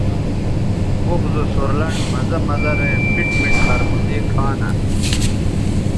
اوخ زو سور لنڈ مزہ مزہ رے میٹ میٹ خربوزے کھانہ